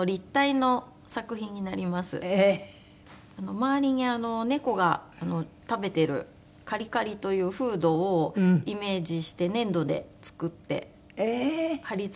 周りに猫が食べてるカリカリというフードをイメージして粘土で作って貼り付けてあります。